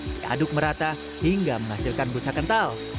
diaduk merata hingga menghasilkan busa kental